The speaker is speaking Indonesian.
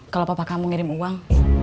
kalau papa kamu ngirim uang